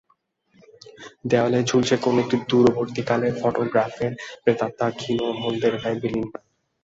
দেয়ালে ঝুলছে কোনো একটি দূরবর্তী কালের ফোটোগ্রাফের প্রেতাত্মা, ক্ষীণ হলদে রেখায় বিলীনপ্রায়।